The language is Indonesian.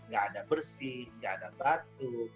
gak ada bersih gak ada batu